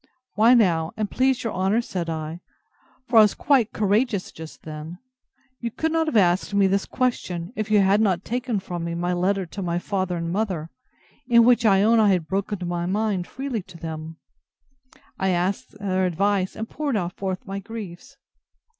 Why, now, and please your honour, said I, (for I was quite courageous just then,) you could not have asked me this question, if you had not taken from me my letter to my father and mother, in which I own I had broken my mind freely to them, and asked their advice, and poured forth my griefs!